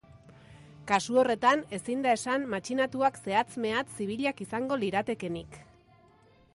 Kasu horretan, ezin da esan matxinatuak zehatz mehatz zibilak izango liratekenik.